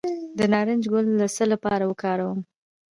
د نارنج ګل د څه لپاره وکاروم؟